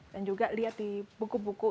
dan juga lihat di buku buku